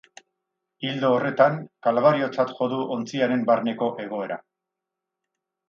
Ildo horretan, kalbariotzat jo du ontziaren barneko egoera.